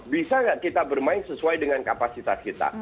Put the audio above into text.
bisa nggak kita bermain sesuai dengan kapasitas kita